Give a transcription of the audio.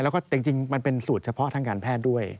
แล้วก็จริงมันเป็นสูตรเฉพาะทางการแพทย์ด้วย